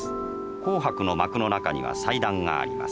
紅白の幕の中には祭壇があります。